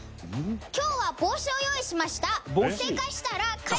今日は帽子を用意しました。